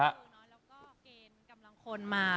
แล้วก็เกณฑ์กำลังคนมา